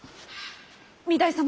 御台様。